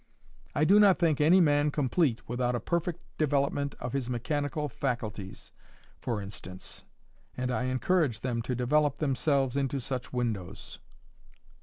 I do not think any man complete without a perfect development of his mechanical faculties, for instance, and I encourage them to develop themselves into such windows."